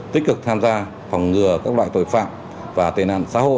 tích cực tham gia phòng ngừa các loại tội phạm và tên nạn xã hội